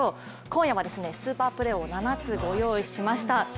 今夜はスーパープレーを７つご用意しました。